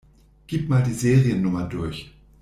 Gib mal die Seriennummer durch.